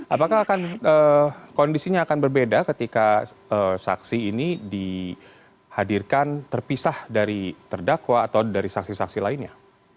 apakah akan kondisinya akan berbeda ketika saksi ini dihadirkan terpisah dari terdakwa atau dari saksi saksi lainnya